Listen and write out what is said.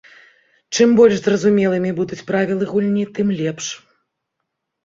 Чым больш зразумелымі будуць правілы гульні, тым лепш.